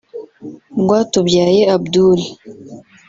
Rwatubyaye Abdul